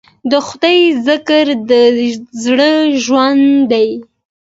د خدای ذکر د زړه ژوند دی.